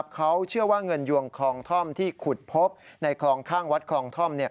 เขาเชื่อว่าเงินยวงคลองท่อมที่ขุดพบในคลองข้างวัดคลองท่อม